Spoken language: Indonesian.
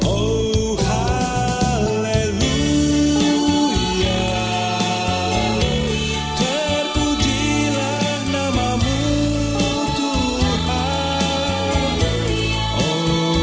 oh haleluya terpujilah namamu tuhan